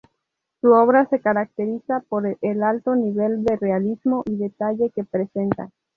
Su obra se caracteriza por el alto nivel de realismo y detalle que presenta.